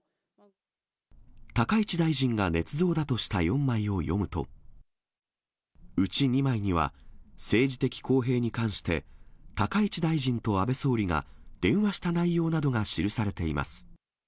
高市大臣がねつ造だとした４枚を読むと、うち２枚には、政治的公平に関して、高市大臣と安倍総理が電話した内容などが記されています。